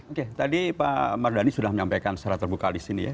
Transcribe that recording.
oke tadi pak mardhani sudah menyampaikan secara terbuka di sini ya